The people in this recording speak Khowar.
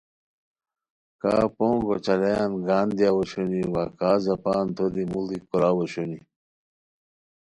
کاپونگو چالایان گان دیاؤ اوشونی وا کا زاپان توری موڑی کوراؤ اوشونی